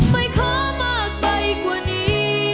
ไม่ขอมากไปกว่านี้